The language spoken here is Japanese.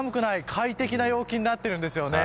快適な陽気になっているんです。